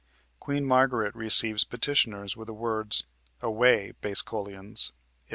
Queen Margaret receives petitioners with the words "Away, base cullions" (Ib.